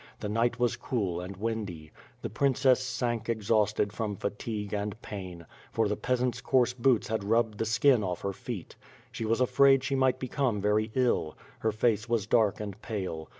The night was cool and windy. The princess sank exhausted from fatigue and pain, for the peasant's coarse boots had rub 1)0(1 the skin off her feet. She was afraid she might become very ill. Her face was dark and pale.